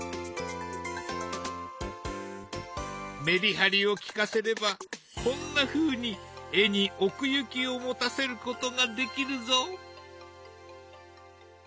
メリハリをきかせればこんなふうに絵に奥行きを持たせることができるぞ。